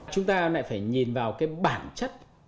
chúng ta lại phải nhìn vào cái bản chất